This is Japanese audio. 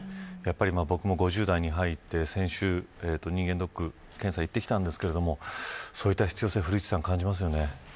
僕も５０代に入って先週、人間ドックの検査に行きましたがそういった必要性を感じますね。